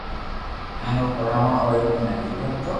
ھين او براھامن ار ايڪ ھي دآڪرو ھتو